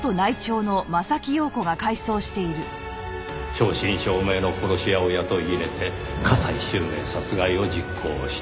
正真正銘の殺し屋を雇い入れて加西周明殺害を実行した。